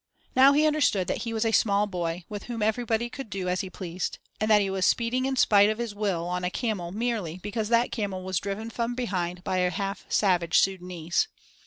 Now he understood that he was a small boy, with whom everybody could do as he pleased, and that he was speeding in spite, of his will on a camel merely because that camel was driven from behind by a half savage Sudânese.